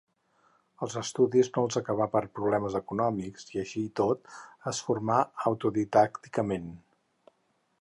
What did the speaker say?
Els estudis no els acabà per problemes econòmics i així i tot es formà autodidàcticament.